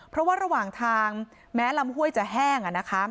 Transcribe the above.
เพราะว่าระหว่างทางแม้ลำห้วยจะแห้ง